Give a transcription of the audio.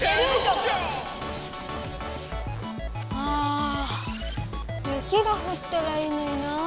あ雪がふったらいいのになぁ。